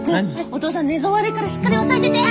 お父さん寝相悪いからしっかり押さえてて！